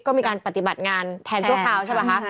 ก็มีการปฏิบัติงานแทนชั่วคราวใช่ป่ะคะ